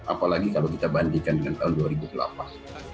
apalagi kalau kita bandingkan dengan tahun dua ribu delapan